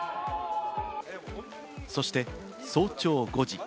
そして、早朝５時。